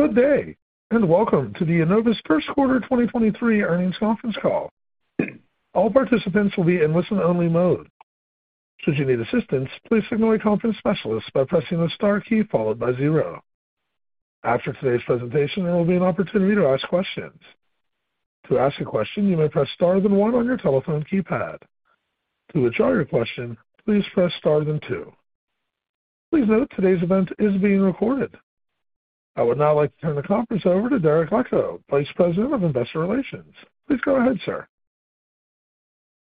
Good day, and welcome to the Enovis First Quarter 2023 Earnings Conference Call. All participants will be in listen-only mode. Should you need assistance, please signal a conference specialist by pressing the star key followed by zero. After today's presentation, there will be an opportunity to ask questions. To ask a question, you may press star then one on your telephone keypad. To withdraw your question, please press star then two. Please note today's event is being recorded. I would now like to turn the conference over to Derek Leckow, Vice President of Investor Relations. Please go ahead, sir.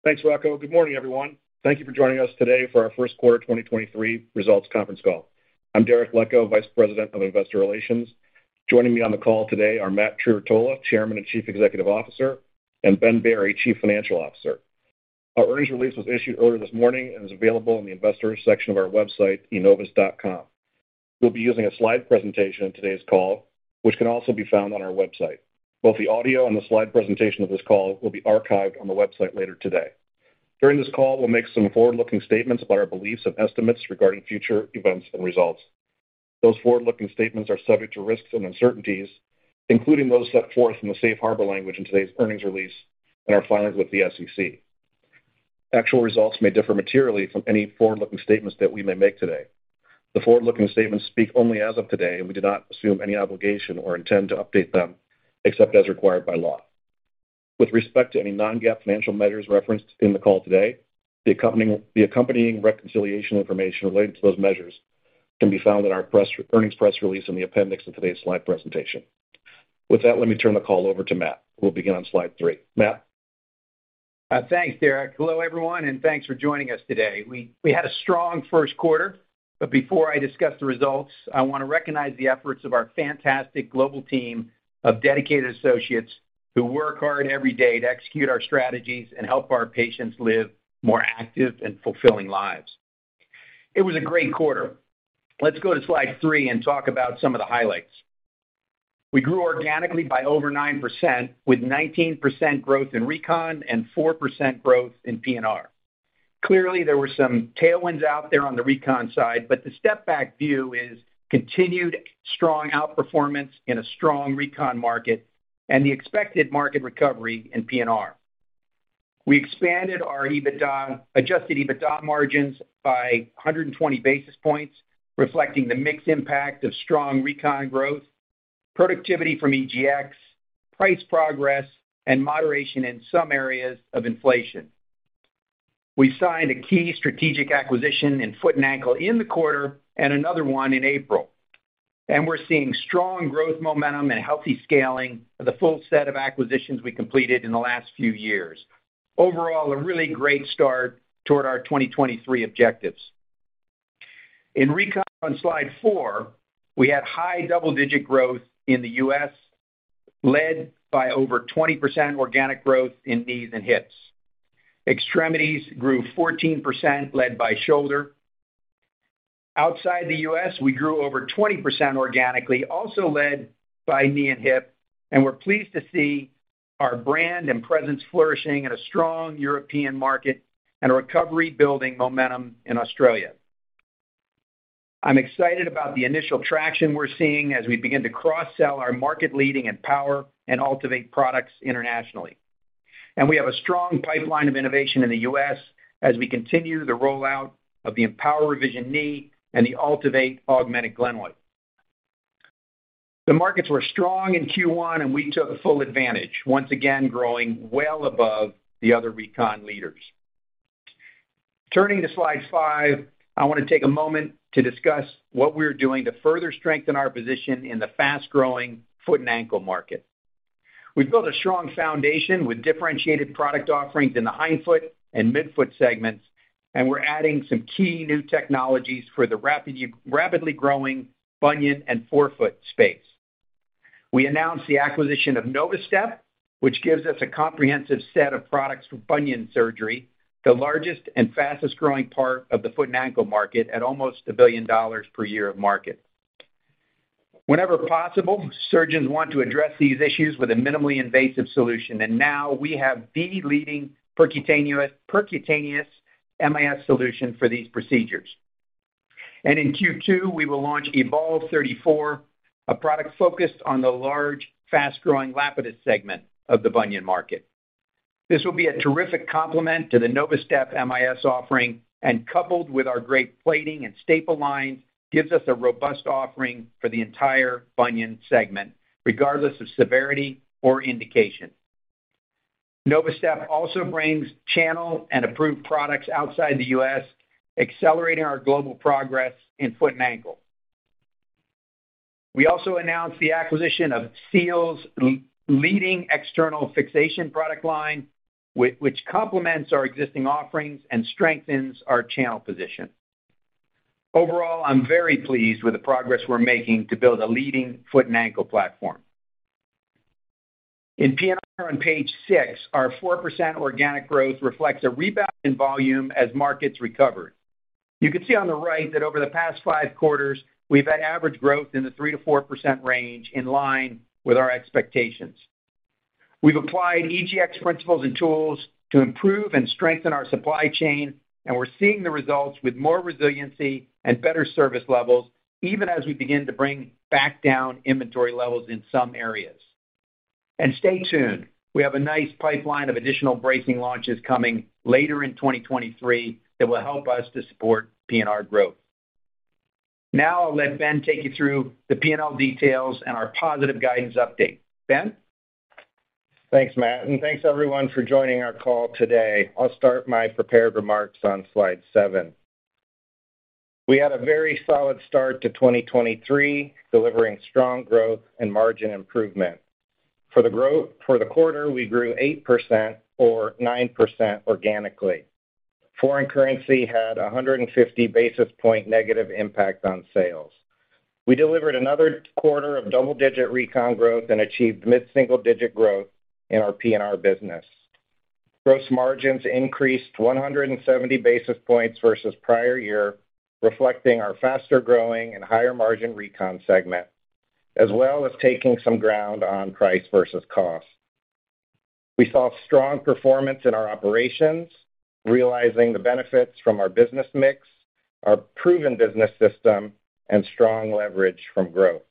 Thanks, Rocco. Good morning, everyone. Thank you for joining us today for our First Quarter 2023 Results Conference Call. I'm Kyle Rose, Vice President of Investor Relations. Joining me on the call today are Matthew Trerotola, Chairman and Chief Executive Officer, and Ben Berry, Chief Financial Officer. Our earnings release was issued earlier this morning and is available in the Investors section of our website, enovis.com. We'll be using a slide presentation in today's call, which can also be found on our website. Both the audio and the slide presentation of this call will be archived on the website later today. During this call, we'll make some forward-looking statements about our beliefs and estimates regarding future events and results. Those forward-looking statements are subject to risks and uncertainties, including those set forth in the safe harbor language in today's earnings release and our filings with the SEC. Actual results may differ materially from any forward-looking statements that we may make today. The forward-looking statements speak only as of today, and we do not assume any obligation or intend to update them except as required by law. With respect to any non-GAAP financial measures referenced in the call today, the accompanying reconciliation information related to those measures can be found in our earnings press release in the appendix of today's slide presentation. With that, let me turn the call over to Matt. We'll begin on slide 3. Matt? Thanks, Derek. Hello, everyone, and thanks for joining us today. We had a strong first quarter. Before I discuss the results, I wanna recognize the efforts of our fantastic global team of dedicated associates who work hard every day to execute our strategies and help our patients live more active and fulfilling lives. It was a great quarter. Let's go to slide 3 and talk about some of the highlights. We grew organically by over 9%, with 19% growth in Recon and 4% growth in PNR. Clearly, there were some tailwinds out there on the Recon side. The step back view is continued strong outperformance in a strong Recon market and the expected market recovery in PNR. We expanded our EBITDA, adjusted EBITDA margins by 120 basis points, reflecting the mix impact of strong Recon growth, productivity from EGX, price progress, and moderation in some areas of inflation. We signed a key strategic acquisition in foot and ankle in the quarter and another one in April. We're seeing strong growth momentum and healthy scaling of the full set of acquisitions we completed in the last few years. Overall, a really great start toward our 2023 objectives. In Recon on slide 4, we had high double-digit growth in the U.S., led by over 20% organic growth in knees and hips. Extremities grew 14%, led by shoulder. Outside the U.S., we grew over 20% organically, also led by knee and hip. We're pleased to see our brand and presence flourishing in a strong European market and a recovery building momentum in Australia. I'm excited about the initial traction we're seeing as we begin to cross-sell our market-leading EMPOWR and AltiVate products internationally. We have a strong pipeline of innovation in the U.S. as we continue the rollout of the EMPOWR Revision Knee and the AltiVate Anatomic Glenoid. The markets were strong in Q1. We took full advantage, once again growing well above the other Recon leaders. Turning to slide 5, I want to take a moment to discuss what we're doing to further strengthen our position in the fast-growing foot and ankle market. We've built a strong foundation with differentiated product offerings in the hindfoot and midfoot segments, and we're adding some key new technologies for the rapidly growing bunion and forefoot space. We announced the acquisition of Novastep, which gives us a comprehensive set of products for bunion surgery, the largest and fastest-growing part of the foot and ankle market at almost $1 billion per year of market. Whenever possible, surgeons want to address these issues with a minimally invasive solution, and now we have the leading percutaneous MIS solution for these procedures. In Q2, we will launch Evolve34, a product focused on the large, fast-growing Lapidus segment of the bunion market. This will be a terrific complement to the Novastep MIS offering, and coupled with our great plating and staple lines, gives us a robust offering for the entire bunion segment, regardless of severity or indication. Novastep also brings channel and approved products outside the U.S., accelerating our global progress in foot and ankle. We also announced the acquisition of SEAL, leading external fixation product line, which complements our existing offerings and strengthens our channel position. I'm very pleased with the progress we're making to build a leading foot and ankle platform. In PNR on page 6, our 4% organic growth reflects a rebound in volume as markets recovered. You can see on the right that over the past five quarters, we've had average growth in the 3%-4% range, in line with our expectations. We've applied EGX principles and tools to improve and strengthen our supply chain, and we're seeing the results with more resiliency and better service levels, even as we begin to bring back down inventory levels in some areas. Stay tuned, we have a nice pipeline of additional bracing launches coming later in 2023 that will help us to support PNR growth. I'll let Ben take you through the P&L details and our positive guidance update. Ben? Thanks, Matt. Thanks everyone for joining our call today. I'll start my prepared remarks on slide 7. We had a very solid start to 2023, delivering strong growth and margin improvement. For the quarter, we grew 8% or 9% organically. Foreign currency had a 150 basis point negative impact on sales. We delivered another quarter of double-digit Recon growth and achieved mid-single digit growth in our PNR business. Gross margins increased 170 basis points versus prior year, reflecting our faster growing and higher margin Recon segment, as well as taking some ground on price versus cost. We saw strong performance in our operations, realizing the benefits from our business mix, our proven business system, and strong leverage from growth.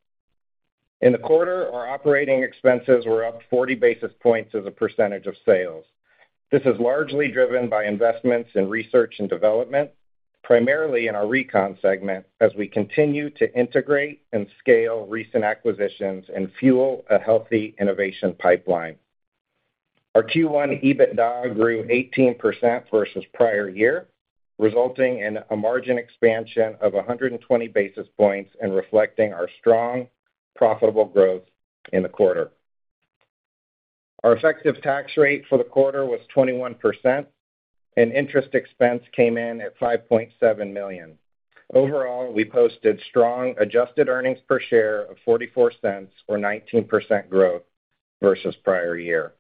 In the quarter, our operating expenses were up 40 basis points as a percentage of sales. This is largely driven by investments in research and development, primarily in our Recon segment, as we continue to integrate and scale recent acquisitions and fuel a healthy innovation pipeline. Our Q1 EBITDA grew 18% versus prior year, resulting in a margin expansion of 120 basis points and reflecting our strong profitable growth in the quarter. Our effective tax rate for the quarter was 21%, and interest expense came in at $5.7 million. Overall, we posted strong adjusted earnings per share of $0.44 or 19% growth versus prior year.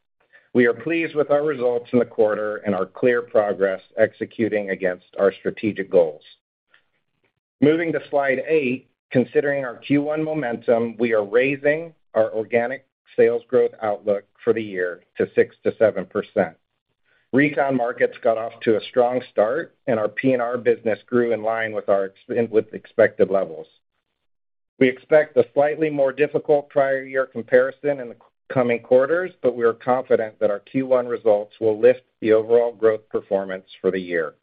We are pleased with our results in the quarter and our clear progress executing against our strategic goals. Moving to slide 8, considering our Q1 momentum, we are raising our organic sales growth outlook for the year to 6%-7%. Recon markets got off to a strong start, and our PNR business grew in line with expected levels. We expect a slightly more difficult prior year comparison in the coming quarters, but we are confident that our Q1 results will lift the overall growth performance for the year.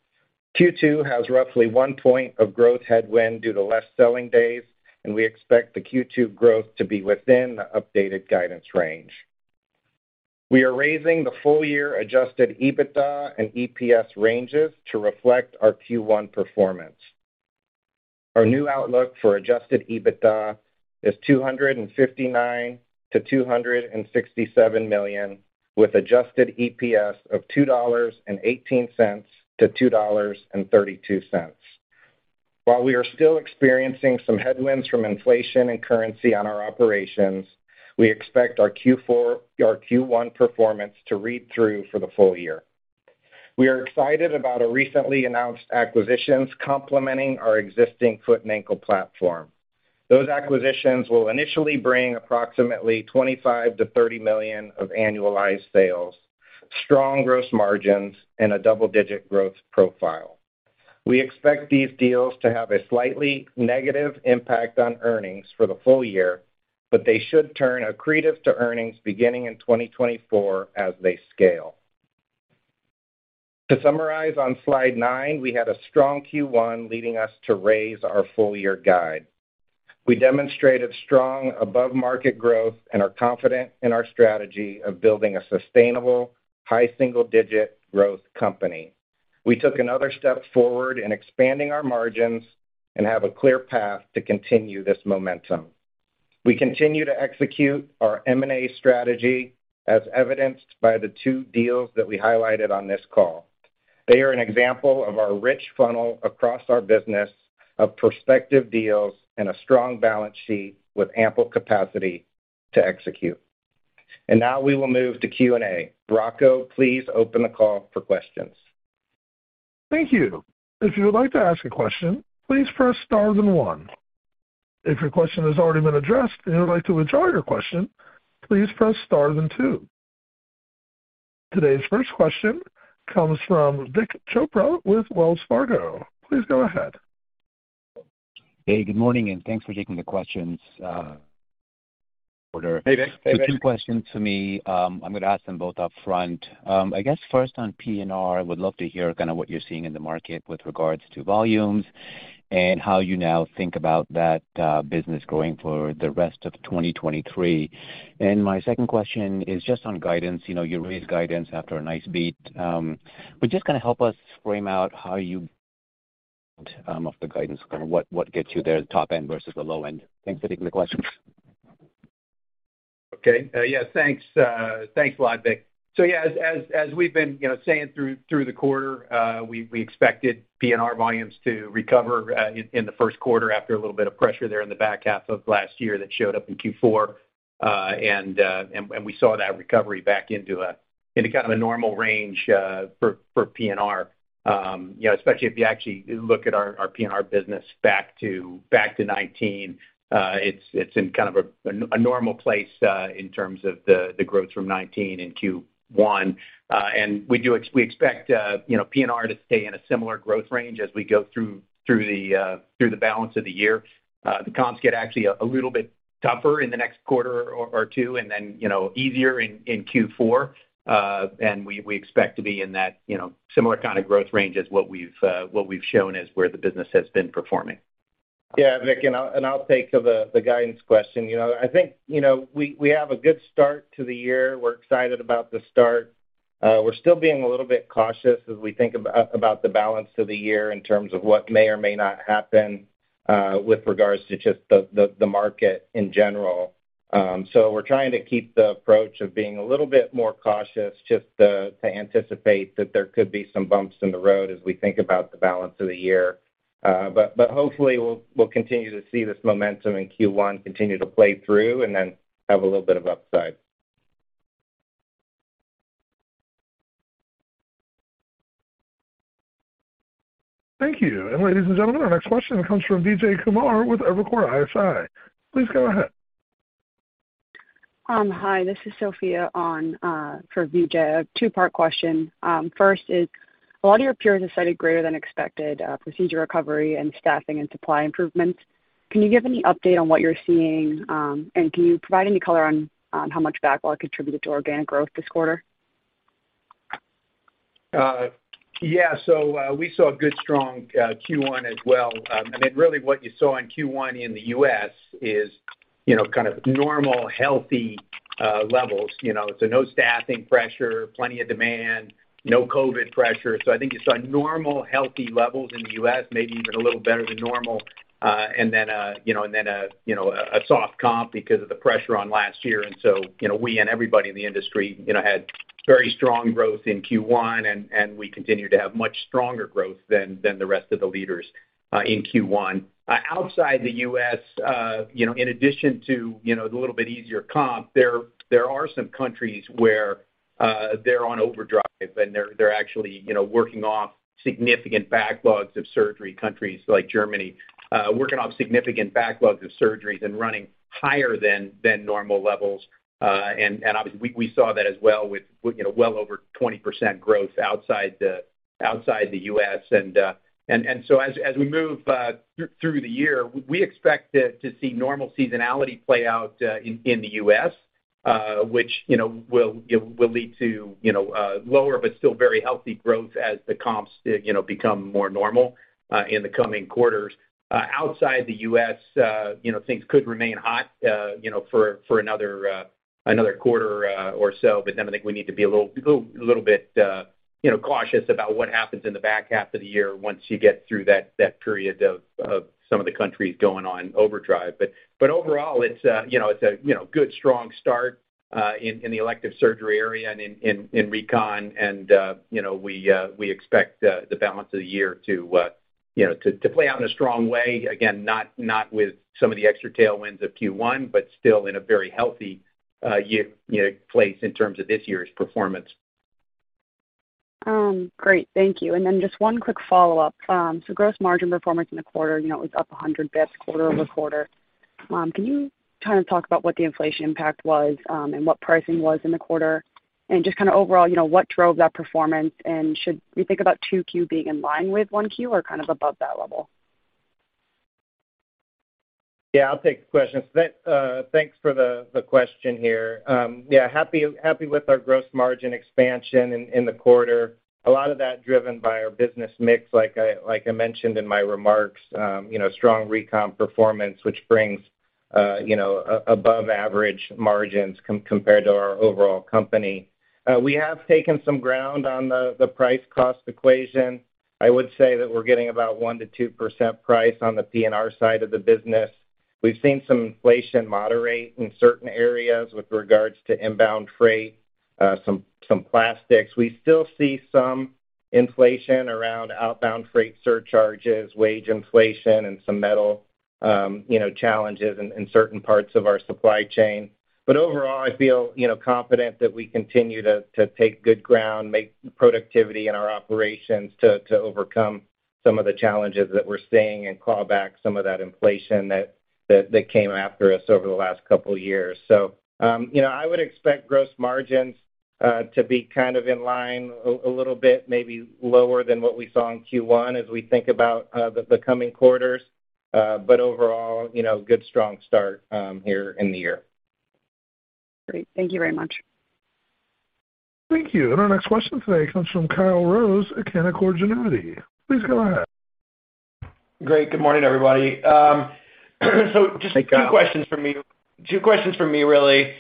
Q2 has roughly 1 point of growth headwind due to less selling days, and we expect the Q2 growth to be within the updated guidance range. We are raising the full year adjusted EBITDA and EPS ranges to reflect our Q1 performance. Our new outlook for adjusted EBITDA is $259 million-$267 million, with adjusted EPS of $2.18-$2.32. While we are still experiencing some headwinds from inflation and currency on our operations, we expect our Q1 performance to read through for the full year. We are excited about our recently announced acquisitions complementing our existing foot and ankle platform. Those acquisitions will initially bring approximately $25 million-$30 million of annualized sales, strong gross margins, and a double-digit growth profile. We expect these deals to have a slightly negative impact on earnings for the full year, they should turn accretive to earnings beginning in 2024 as they scale. To summarize on slide 9, we had a strong Q1 leading us to raise our full year guide. We demonstrated strong above market growth and are confident in our strategy of building a sustainable high single-digit growth company. We took another step forward in expanding our margins and have a clear path to continue this momentum. We continue to execute our M&A strategy as evidenced by the two deals that we highlighted on this call. They are an example of our rich funnel across our business of prospective deals and a strong balance sheet with ample capacity to execute. Now we will move to Q&A. Rocco, please open the call for questions. Thank you. If you would like to ask a question, please press star then one. If your question has already been addressed and you would like to withdraw your question, please press star then two. Today's first question comes from Vik Chopra with Wells Fargo. Please go ahead. Hey, good morning, and thanks for taking the questions, great quarter. Hey, Vik. Two questions for me. I'm gonna ask them both upfront. I guess first on PNR, I would love to hear kinda what you're seeing in the market with regards to volumes and how you now think about that business growing for the rest of 2023. My second question is just on guidance. You know, you raised guidance after a nice beat. Just kinda help us frame out how you of the guidance, kinda what gets you there, the top end versus the low end. Thanks for taking the questions. Okay. Yeah, thanks a lot, Vik. Yeah, as we've been, you know, saying through the quarter, we expected PNR volumes to recover, in the first quarter after a little bit of pressure there in the back half of last year that showed up in Q4. We saw that recovery back into a into kind of a normal range for PNR. You know, especially if you actually look at our PNR business back to 19, it's in kind of a normal place, in terms of the growth from 19 in Q1. We do expect, you know, PNR to stay in a similar growth range as we go through the balance of the year. The comps get actually a little bit tougher in the next quarter or two, and then, you know, easier in Q4. We expect to be in that, you know, similar kind of growth range as what we've shown is where the business has been performing. Yeah, Vik, I'll take the guidance question. You know, I think, you know, we have a good start to the year. We're excited about the start. We're still being a little bit cautious as we think about the balance of the year in terms of what may or may not happen with regards to just the market in general. We're trying to keep the approach of being a little bit more cautious just to anticipate that there could be some bumps in the road as we think about the balance of the year. Hopefully we'll continue to see this momentum in Q1 continue to play through and then have a little bit of upside. Thank you. Ladies and gentlemen, our next question comes from Vijay Kumar with Evercore ISI. Please go ahead. Hi, this is Sophia on for Vijay. A two-part question. First is, a lot of your peers have cited greater than expected procedure recovery and staffing and supply improvements. Can you give any update on what you're seeing, and can you provide any color on how much backlog contributed to organic growth this quarter? Yeah. we saw a good strong Q1 as well. I mean, really what you saw in Q1 in the U.S. is kind of normal, healthy levels. No staffing pressure, plenty of demand, no COVID pressure. I think you saw normal healthy levels in the U.S., maybe even a little better than normal, and then a soft comp because of the pressure on last year. We and everybody in the industry had very strong growth in Q1, and we continue to have much stronger growth than the rest of the leaders in Q1. Outside the U.S., you know, in addition to, you know, the little bit easier comp, there are some countries where they're on overdrive, and they're actually, you know, working off significant backlogs of surgery, countries like Germany, working off significant backlogs of surgeries and running higher than normal levels. Obviously we saw that as well with, you know, well over 20% growth outside the U.S. So as we move through the year, we expect to see normal seasonality play out in the U.S., which, you know, it will lead to, you know, lower but still very healthy growth as the comps, you know, become more normal in the coming quarters. Outside the U.S., you know, things could remain hot, you know, for another quarter or so. I think we need to be a little bit, you know, cautious about what happens in the back half of the year once you get through that period of some of the countries going on overdrive. Overall, it's a, you know, it's a, you know, good strong start in the elective surgery area and in Recon, and, you know, we expect the balance of the year to, you know, to play out in a strong way. Not with some of the extra tailwinds of Q1, but still in a very healthy, year, you know, place in terms of this year's performance. Great. Thank you. Just one quick follow-up. Gross margin performance in the quarter, you know, it was up 100 bps quarter-over-quarter. Can you kind of talk about what the inflation impact was, and what pricing was in the quarter? Just kinda overall, you know, what drove that performance, and should we think about 2Q being in line with 1Q or kind of above that level? Yeah, I'll take the question. Thanks for the question here. Yeah, happy with our gross margin expansion in the quarter. A lot of that driven by our business mix, like I mentioned in my remarks. You know, strong Recon performance, which brings, you know, above average margins compared to our overall company. We have taken some ground on the price-cost equation. I would say that we're getting about 1%-2% price on the PNR side of the business. We've seen some inflation moderate in certain areas with regards to inbound freight, some plastics. We still see some inflation around outbound freight surcharges, wage inflation, and some metal, you know, challenges in certain parts of our supply chain. Overall, I feel, you know, confident that we continue to take good ground, make productivity in our operations to overcome some of the challenges that we're seeing and claw back some of that inflation that came after us over the last couple years. You know, I would expect gross margins to be kind of in line a little bit, maybe lower than what we saw in Q1 as we think about the coming quarters. Overall, you know, good, strong start here in the year. Great. Thank you very much. Thank you. Our next question today comes from Kyle Rose at Canaccord Genuity. Please go ahead. Great. Good morning, everybody. Hey, Kyle. Two questions from me really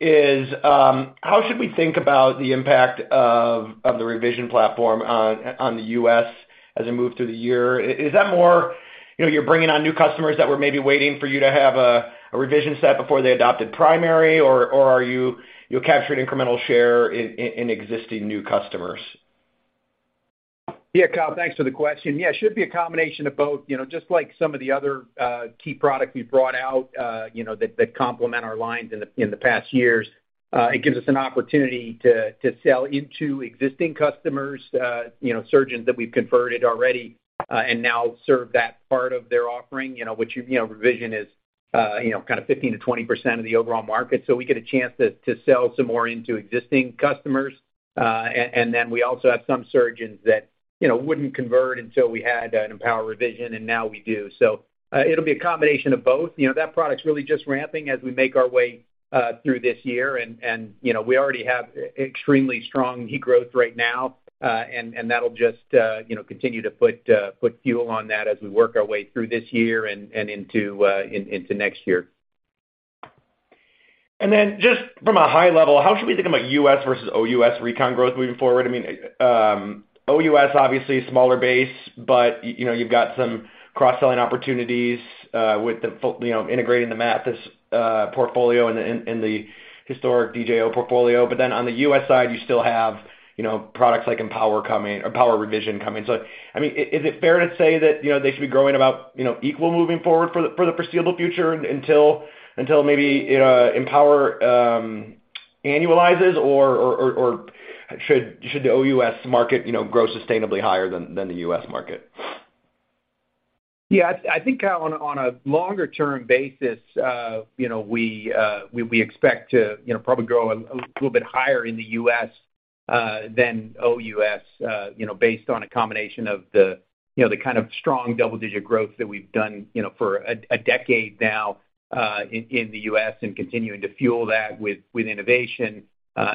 is, how should we think about the impact of the revision platform on the U.S. as we move through the year? Is that more, you know, you're bringing on new customers that were maybe waiting for you to have a revision set before they adopted primary? Or are you capturing incremental share in existing new customers? Yeah, Kyle, thanks for the question. Yeah, it should be a combination of both. You know, just like some of the other key products we've brought out, you know, that complement our lines in the, in the past years, it gives us an opportunity to sell into existing customers, you know, surgeons that we've converted already, and now serve that part of their offering, you know, which, you know, revision is, you know, kind of 15%-20% of the overall market. We get a chance to sell some more into existing customers. Then we also have some surgeons that, you know, wouldn't convert until we had an EMPOWR Revision, and now we do. It'll be a combination of both. You know, that product's really just ramping as we make our way through this year. You know, we already have extremely strong EBITDA growth right now, and that'll just, you know, continue to put fuel on that as we work our way through this year and into next year. Just from a high level, how should we think about U.S. versus OUS Recon growth moving forward? I mean, OUS, obviously a smaller base, but you know, you've got some cross-selling opportunities with you know, integrating the Mathys portfolio and the historic DJO portfolio. On the U.S. side, you still have, you know, products like EMPOWR coming or EMPOWR Revision coming. I mean, is it fair to say that, you know, they should be growing about, you know, equal moving forward for the foreseeable future until maybe, you know, EMPOWR annualizes or should the OUS market, you know, grow sustainably higher than the U.S. market? Yeah. I think, Kyle, on a longer term basis, you know, we expect to, you know, probably grow a little bit higher in the U.S. than OUS, you know, based on a combination of the, you know, strong double-digit growth that we've done, you know, for a decade now in the U.S. and continuing to fuel that with innovation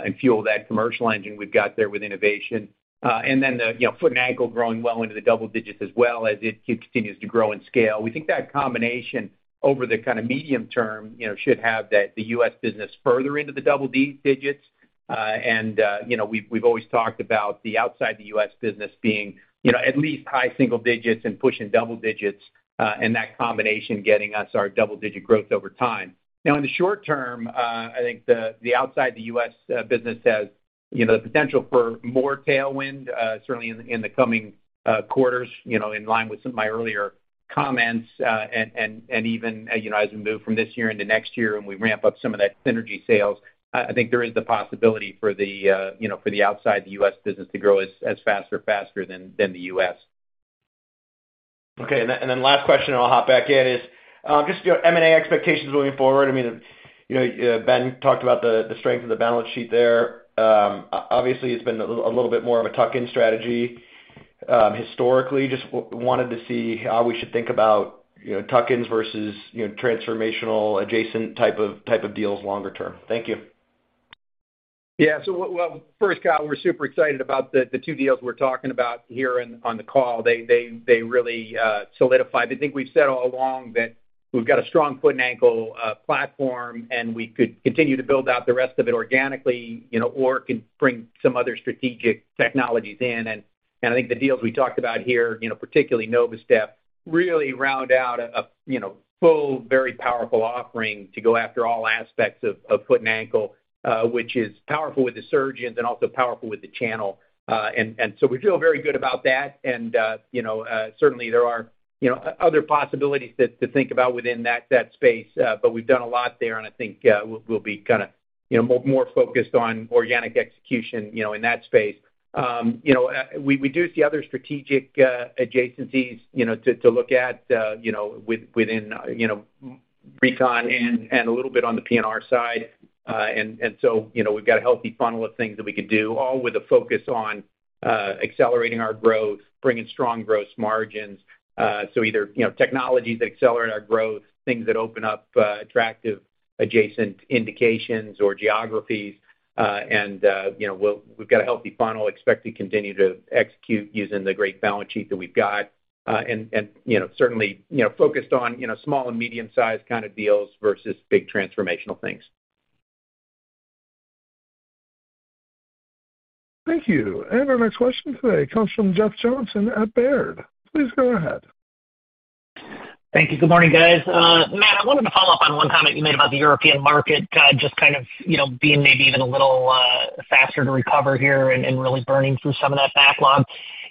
and fuel that commercial engine we've got there with innovation. The, you know, foot and ankle growing well into the double digits as well as it continues to grow in scale. We think that combination over the kind of medium term, you know, should have the U.S. business further into the double digits. You know, we've always talked about the outside the U.S. Business being, you know, at least high single digits and pushing double digits, and that combination getting us our double-digit growth over time. Now, in the short term, I think the outside the U.S. business has, you know, the potential for more tailwind, certainly in the coming quarters, you know, in line with some of my earlier comments. Even, you know, as we move from this year into next year and we ramp up some of that synergy sales, I think there is the possibility for the, you know, for the outside the U.S. business to grow as fast or faster than the U.S. Okay. Then, and then last question, and I'll hop back in, is, just your M&A expectations moving forward. I mean, you know, Ben talked about the strength of the balance sheet there. Obviously, it's been a little bit more of a tuck-in strategy, historically. Just wanted to see how we should think about, you know, tuck-ins versus, you know, transformational adjacent type of, type of deals longer term. Thank you. Yeah. Well, first, Kyle, we're super excited about the two deals we're talking about here on the call. They really solidify. I think we've said all along that we've got a strong foot and ankle platform, and we could continue to build out the rest of it organically, you know, or can bring some other strategic technologies in. I think the deals we talked about here, you know, particularly Novastep, really round out a, you know, full, very powerful offering to go after all aspects of foot and ankle, which is powerful with the surgeons and also powerful with the channel. We feel very good about that. Certainly there are, you know, other possibilities to think about within that space. We've done a lot there, and I think, we'll be kinda, you know, more focused on organic execution, you know, in that space. You know, we do see other strategic adjacencies, you know, to look at, you know, within, you know, Recon and a little bit on the PNR side. You know, we've got a healthy funnel of things that we can do, all with a focus on accelerating our growth, bringing strong gross margins. Either, you know, technologies that accelerate our growth, things that open up attractive adjacent indications or geographies. You know, we've got a healthy funnel, expect to continue to execute using the great balance sheet that we've got. You know, certainly, you know, focused on, you know, small and medium-sized kind of deals versus big transformational things. Thank you. Our next question today comes from Jeff Johnson at Baird. Please go ahead. Thank you. Good morning, guys. Matt, I wanted to follow up on one comment you made about the European market, just kind of, you know, being maybe even a little faster to recover here and really burning through some of that backlog.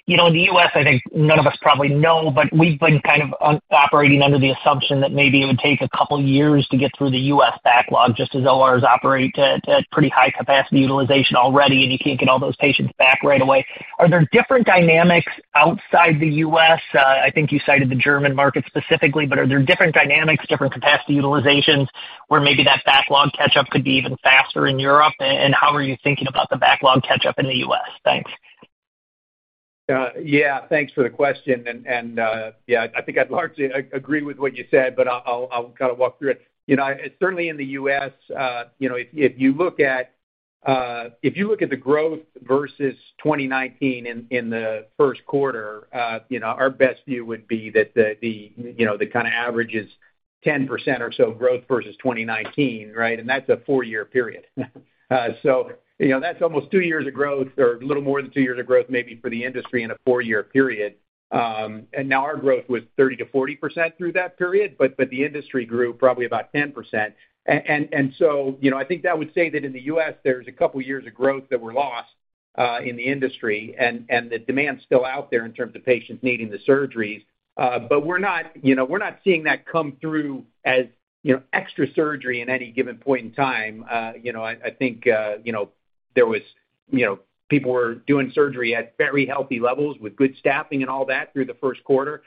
You know, in the U.S., I think none of us probably know, but we've been kind of operating under the assumption that maybe it would take a couple years to get through the U.S. backlog, just as ORs operate at pretty high capacity utilization already, and you can't get all those patients back right away. Are there different dynamics outside the U.S.? I think you cited the German market specifically, but are there different dynamics, different capacity utilizations where maybe that backlog catch-up could be even faster in Europe? And how are you thinking about the backlog catch-up in the U.S.? Thanks. Yeah, thanks for the question. Yeah, I think I'd largely agree with what you said, but I'll kind of walk through it. You know, certainly in the U.S., you know, if you look at the growth versus 2019 in the first quarter, you know, our best view would be that the, you know, the kinda average is 10% or so growth versus 2019, right? That's a four-year period. You know, that's almost two years of growth or a little more than two years of growth maybe for the industry in a four-year period. Now our growth was 30%-40% through that period, but the industry grew probably about 10%. You know, I think that would say that in the U.S. there's a couple years of growth that were lost, in the industry, and the demand's still out there in terms of patients needing the surgeries. We're not, you know, we're not seeing that come through as, you know, extra surgery in any given point in time. You know, I think, you know, there was. You know, people were doing surgery at very healthy levels with good staffing and all that through the first quarter.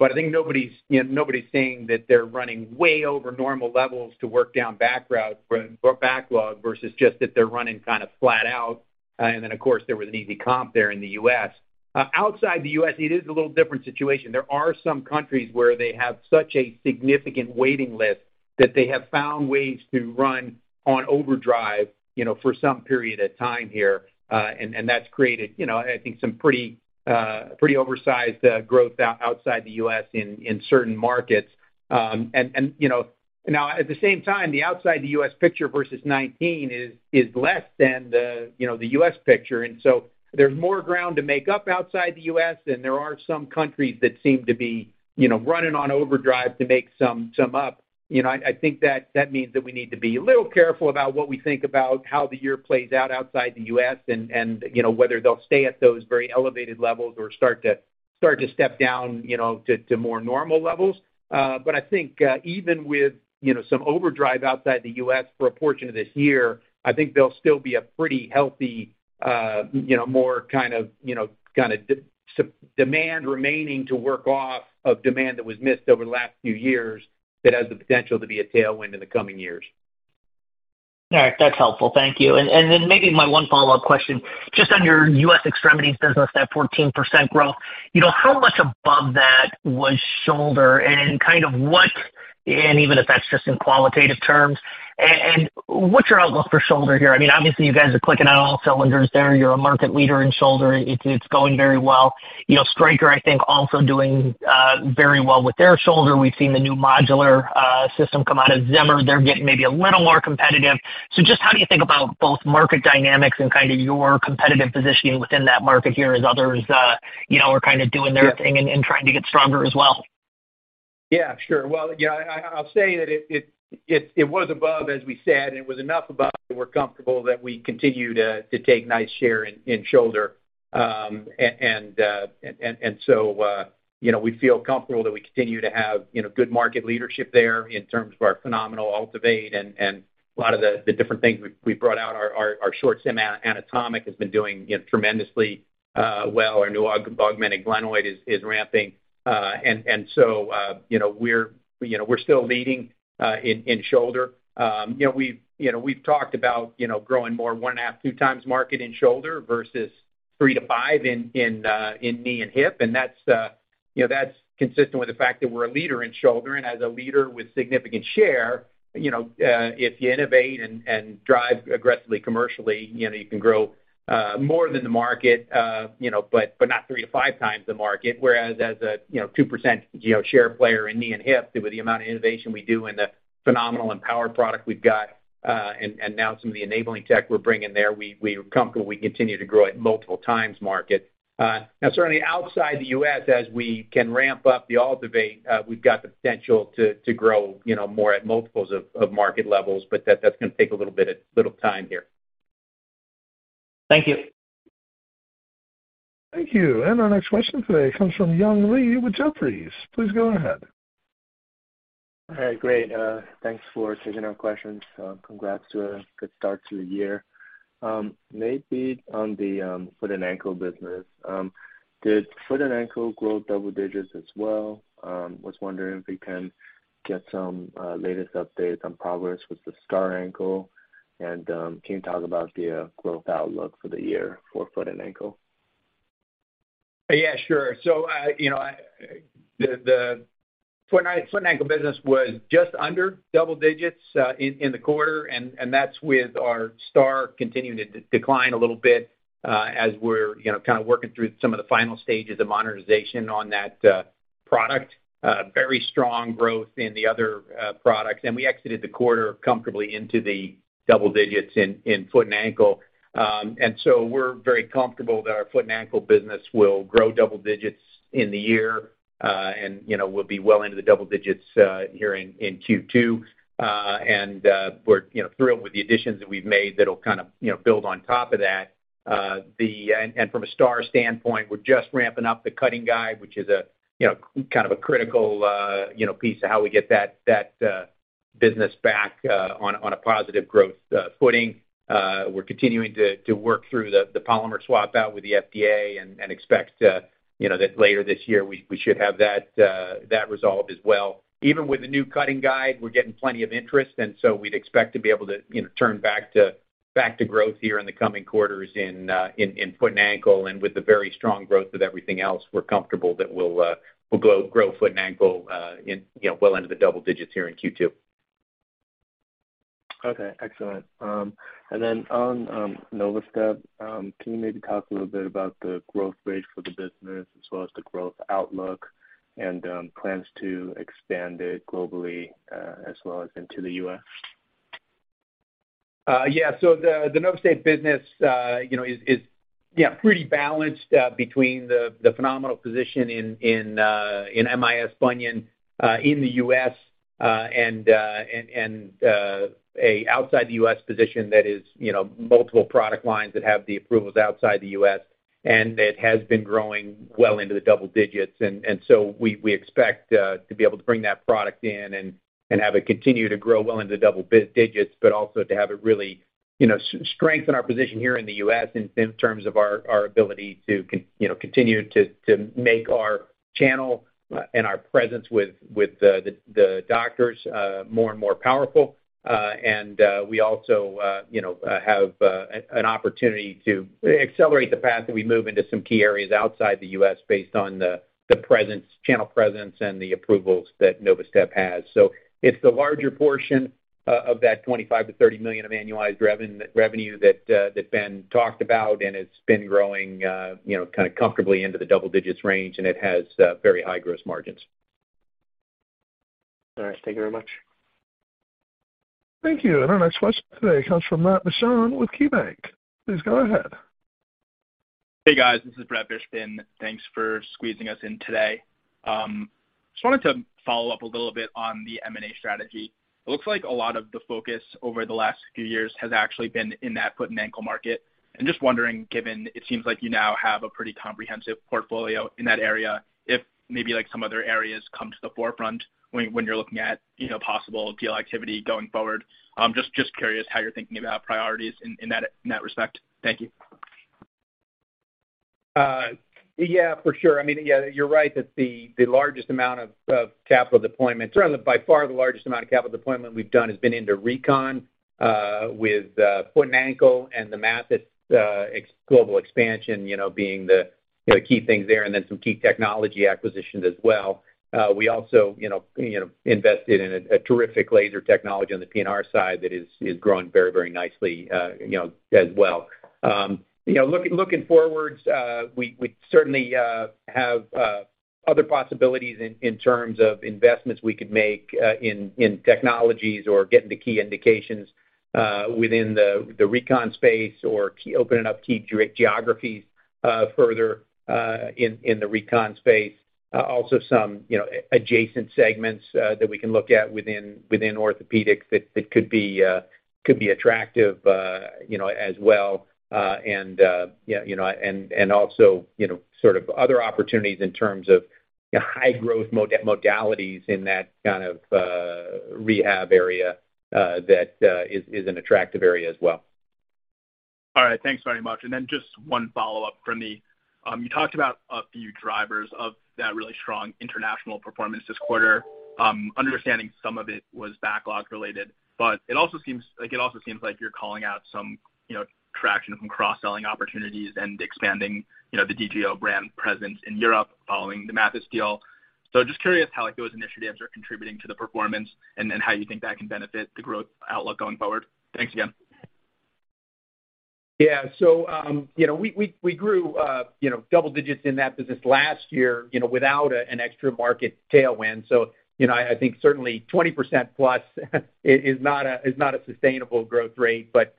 I think nobody's, you know, nobody's saying that they're running way over normal levels to work down or backlog versus just that they're running kind of flat out. Then of course, there was an easy comp there in the U.S. Outside the U.S., it is a little different situation. There are some countries where they have such a significant waiting list that they have found ways to run on overdrive, you know, for some period of time here. That's created, you know, I think some pretty oversized growth outside the U.S. in certain markets. You know, now at the same time, the outside the U.S. picture versus 2019 is less than the, you know, the U.S. picture. There's more ground to make up outside the U.S., and there are some countries that seem to be, you know, running on overdrive to make some up. You know, I think that means that we need to be a little careful about what we think about how the year plays out outside the U.S. and, you know, whether they'll stay at those very elevated levels or start to step down, you know, to more normal levels. I think, even with, you know, some overdrive outside the U.S. for a portion of this year, I think there'll still be a pretty healthy, you know, more kind of, you know, kinda demand remaining to work off of demand that was missed over the last few years that has the potential to be a tailwind in the coming years. All right. That's helpful. Thank you. Then maybe my one follow-up question, just on your U.S. extremities business, that 14% growth, you know, how much above that was shoulder and even if that's just in qualitative terms. What's your outlook for shoulder here? I mean, obviously, you guys are clicking on all cylinders there. You're a market leader in shoulder. It's going very well. You know, Stryker, I think, also doing very well with their shoulder. We've seen the new modular system come out of Zimmer. They're getting maybe a little more competitive. Just how do you think about both market dynamics and kind of your competitive positioning within that market here as others, you know, are kind of doing their thing and trying to get stronger as well? Yeah, sure. Well, yeah, I'll say that it was above, as we said, and it was enough above, we're comfortable that we continue to take nice share in shoulder. You know, we feel comfortable that we continue to have, you know, good market leadership there in terms of our phenomenal AltiVate and a lot of the different things we've brought out. Our short-stem anatomic has been doing, you know, tremendously well. Our new Augmented Glenoid is ramping. You know, we're still leading in shoulder. You know, we've, you know, we've talked about, you know, growing more 1.5x-2x market in shoulder versus 3x-5x in knee and hip, that's, you know, that's consistent with the fact that we're a leader in shoulder. As a leader with significant share, you know, if you innovate and drive aggressively commercially, you know, you can grow more than the market, you know, but not 3x-5x the market. Whereas as a, you know, 2% you know, share player in knee and hip, with the amount of innovation we do and the phenomenal EMPOWR product we've got, and now some of the enabling tech we're bringing there, we're comfortable we continue to grow at multiple times market. Now certainly outside the U.S., as we can ramp up the AltiVate, we've got the potential to grow, you know, more at multiples of market levels, that's gonna take a little bit of time here. Thank you. Thank you. Our next question today comes from Young Li with Jefferies. Please go ahead. All right, great. Thanks for taking our questions. Congrats to a good start to the year. Maybe on the foot and ankle business, did foot and ankle grow double digits as well? Was wondering if we can get some latest updates on progress with the STAR Ankle? Can you talk about the growth outlook for the year for foot and ankle? Yeah, sure. I, you know, the foot and ankle business was just under double digits in the quarter, and that's with our STAR continuing to decline a little bit, as we're, you know, kind of working through some of the final stages of monetization on that product. Very strong growth in the other products. We exited the quarter comfortably into the double digits in foot and ankle. We're very comfortable that our foot and ankle business will grow double digits in the year, and, you know, we'll be well into the double digits here in Q2. We're, you know, thrilled with the additions that we've made that'll kind of, you know, build on top of that. From a STAR standpoint, we're just ramping up the cutting guide, which is a kind of a critical piece of how we get that business back on a positive growth footing. We're continuing to work through the polymer swap out with the FDA and expect that later this year we should have that resolved as well. Even with the new cutting guide, so we'd expect to be able to turn back to growth here in the coming quarters in foot and ankle. With the very strong growth of everything else, we're comfortable that we'll grow foot and ankle, in, you know, well into the double digits here in Q2. Okay, excellent. Then on Novastep, can you maybe talk a little bit about the growth rate for the business as well as the growth outlook and plans to expand it globally, as well as into the U.S.? Yeah. So the Novastep business, you know, is, yeah, pretty balanced between the phenomenal position in MIS bunion in the U.S. and a outside the U.S. position that is, you know, multiple product lines that have the approvals outside the U.S. and that has been growing well into the double digits. So we expect to be able to bring that product in and have it continue to grow well into double digits, but also to have it really, you know, strengthen our position here in the U.S. in terms of our ability to continue to make our channel and our presence with the doctors more and more powerful. We also, you know, have an opportunity to accelerate the path that we move into some key areas outside the U.S. based on the presence, channel presence and the approvals that Novastep has. It's the larger portion of that $25 million-$30 million of annualized revenue that Ben talked about, and it's been growing, you know, kind of comfortably into the double digits range, and it has very high gross margins. All right. Thank you very much. Thank you. Our next question today comes from Mike Matson with KeyBanc. Please go ahead. Hey, guys. This is Mike Matson. Thanks for squeezing us in today. Just wanted to follow up a little bit on the M&A strategy. It looks like a lot of the focus over the last few years has actually been in that foot and ankle market. I'm just wondering, given it seems like you now have a pretty comprehensive portfolio in that area, if maybe like some other areas come to the forefront when you're looking at, you know, possible deal activity going forward. Just curious how you're thinking about priorities in that respect. Thank you. Yeah, for sure. I mean, yeah, you're right that the largest amount of capital deployment or by far the largest amount of capital deployment we've done has been into Recon, with foot and ankle and the Mathys global expansion, you know, being the, you know, key things there, and then some key technology acquisitions as well. We also, you know, invested in a terrific laser technology on the PNR side that is growing very, very nicely, you know, as well. You know, looking forwards, we certainly have other possibilities in terms of investments we could make, in technologies or getting the key indications, within the Recon space or opening up key geographies further in the Recon space. Also some, you know, adjacent segments that we can look at within orthopedics that could be attractive, you know, as well. You know, and also, you know, sort of other opportunities in terms of high growth modalities in that kind of rehab area that is an attractive area as well. All right. Thanks very much. Just one follow-up from me. You talked about a few drivers of that really strong international performance this quarter. Understanding some of it was backlog related, but it also seems like you're calling out some, you know, traction from cross-selling opportunities and expanding, you know, the DJO brand presence in Europe following the Mathys deal. Just curious how, like, those initiatives are contributing to the performance and how you think that can benefit the growth outlook going forward. Thanks again. Yeah. You know, we grew, you know, double digits in that business last year, you know, without an extra market tailwind. You know, I think certainly 20%+ is not a sustainable growth rate, but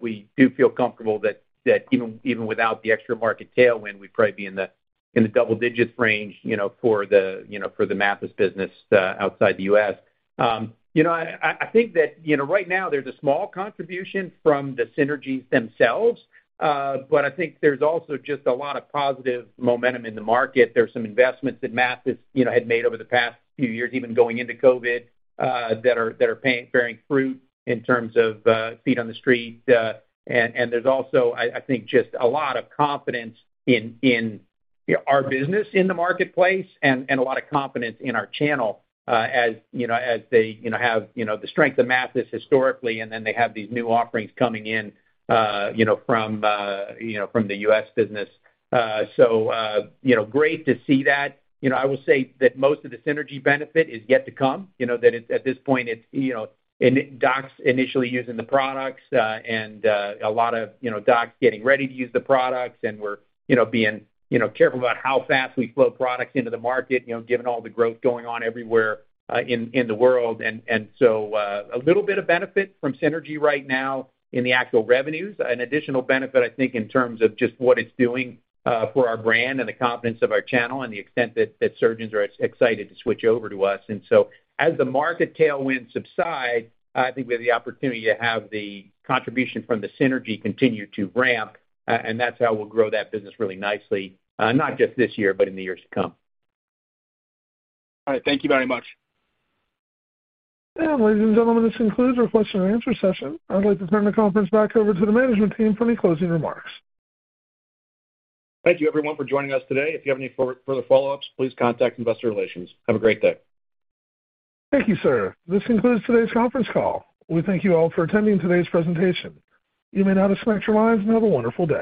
we do feel comfortable that even without the extra market tailwind, we'd probably be in the double digits range, you know, for the Mathys business outside the U.S. You know, I think that, you know, right now there's a small contribution from the synergies themselves, but I think there's also just a lot of positive momentum in the market. There's some investments that Mathys, you know, had made over the past few years, even going into COVID, that are bearing fruit in terms of feet on the street. There's also, I think, just a lot of confidence in, you know, our business in the marketplace and a lot of confidence in our channel, as you know, as they, you know, have, you know, the strength of Mathys historically, and then they have these new offerings coming in, you know, from, you know, from the U.S. business. You know, great to see that. You know, I will say that most of the synergy benefit is yet to come, you know. That at this point it's, you know, and docs initially using the products, and a lot of, you know, docs getting ready to use the products, and we're, you know, being, you know, careful about how fast we flow products into the market, you know, given all the growth going on everywhere, in the world. A little bit of benefit from synergy right now in the actual revenues. An additional benefit, I think, in terms of just what it's doing, for our brand and the confidence of our channel and the extent that surgeons are excited to switch over to us. As the market tailwind subside, I think we have the opportunity to have the contribution from the synergy continue to ramp, and that's how we'll grow that business really nicely, not just this year, but in the years to come. All right. Thank you very much. Ladies and gentlemen, this concludes our question and answer session. I'd like to turn the conference back over to the management team for any closing remarks. Thank you everyone for joining us today. If you have any further follow-ups, please contact Investor Relations. Have a great day. Thank you, sir. This concludes today's conference call. We thank you all for attending today's presentation. You may now disconnect your lines and have a wonderful day.